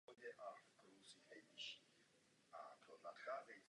Se svou ženou žil střídavě v mnoha zemích světa.